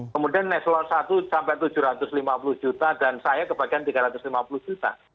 kemudian neselon satu sampai tujuh ratus lima puluh juta dan saya kebagian tiga ratus lima puluh juta